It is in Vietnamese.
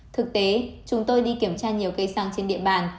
thực tế chúng tôi đi kiểm tra nhiều cây xăng trên địa bàn